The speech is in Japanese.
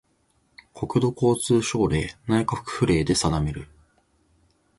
国土交通省令・内閣府令で定める